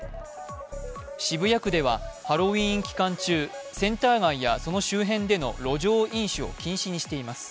渋谷区ではハロウィーン期間中、センター街やその周辺での路上飲酒を禁止にしています。